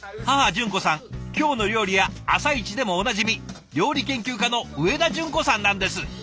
母淳子さん「きょうの料理」や「あさイチ」でもおなじみ料理研究家の上田淳子さんなんです！